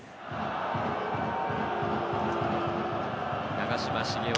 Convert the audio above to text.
長嶋茂雄